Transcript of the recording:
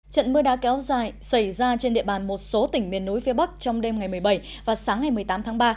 trận mưa đá kéo dài xảy ra trên địa bàn một số tỉnh miền núi phía bắc trong đêm ngày một mươi bảy và sáng ngày một mươi tám tháng ba